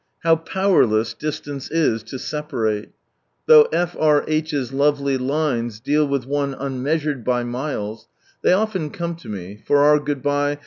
How powerless disiance is to separate. Though F. R. H.'s lovely lines deal with one unmeasured by miles, they often come to me, — for our goodbye " H.